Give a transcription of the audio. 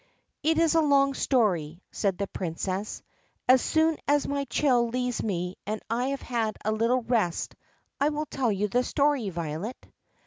"It is a long story," said the Princess. "As soon as my chill leaves me and I have had a little rest I will tell you the story, Violet."